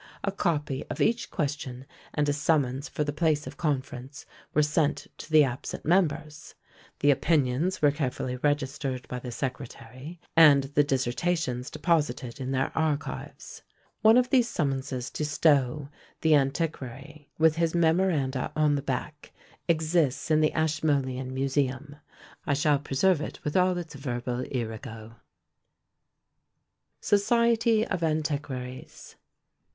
A copy of each question and a summons for the place of conference were sent to the absent members. The opinions were carefully registered by the secretary, and the dissertations deposited in their archives. One of these summonses to Stowe, the antiquary, with his memoranda on the back, exists in the Ashmolean Museum. I shall preserve it with all its verbal ÃḊrugo. "SOCIETY OF ANTIQUARIES.